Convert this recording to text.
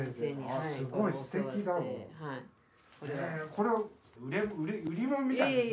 これ売り物みたいですね。